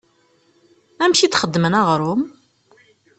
Amek i d-xeddmen aɣrum?